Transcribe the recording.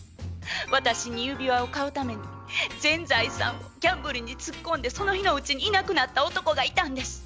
私に指輪を買うために全財産ギャンブルにつっこんでその日のうちにいなくなった男がいたんです。